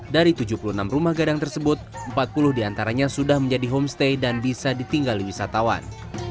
dari tujuh puluh enam rumah gadang tersebut empat puluh diantaranya sudah menjadi homestay dan bisa ditinggali wisatawan